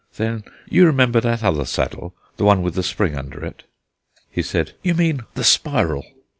Then you remember that other saddle, the one with the spring under it." He said: "You mean 'the Spiral.'"